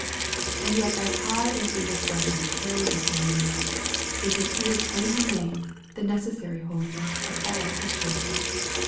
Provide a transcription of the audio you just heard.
And yet as high as these expressions carry this holiness, it is here plainly made the necessary holiness of all Christians.